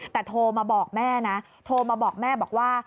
แต่โทรมาบอกแม่นะโทรมาบอกแม่บอกว่า